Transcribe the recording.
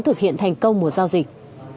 thực hiện thành công một giao dịch